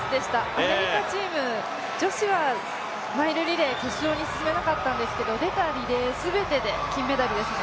アメリカチーム、女子はマイルリレー決勝に進めなかったんですけれども、出たリレー全てで金メダルですね。